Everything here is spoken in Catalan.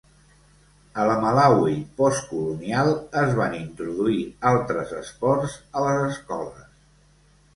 A la Malawi postcolonial, es van introduir altres esports a les escoles.